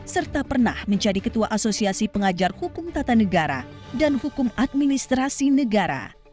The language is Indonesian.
serta pernah menjadi ketua asosiasi pengajar hukum tata negara dan hukum administrasi negara